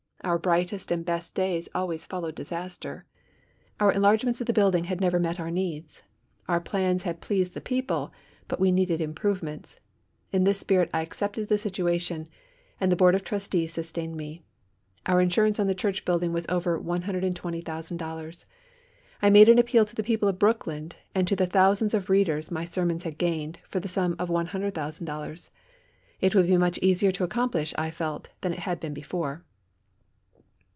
Our brightest and best days always follow disaster. Our enlargements of the building had never met our needs. Our plans had pleased the people, but we needed improvements. In this spirit I accepted the situation, and the Board of Trustees sustained me. Our insurance on the church building was over $120,000. I made an appeal to the people of Brooklyn and to the thousands of readers my sermons had gained, for the sum of $100,000. It would be much easier to accomplish, I felt, than it had been before.